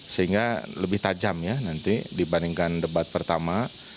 sehingga lebih tajam ya nanti dibandingkan debat pertama